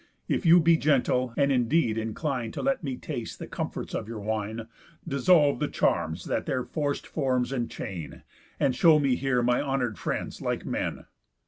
If you be gentle, and indeed incline To let me taste the comfort of your wine, Dissolve the charms that their forc'd forms enchain, And show me here my honour'd friends like men.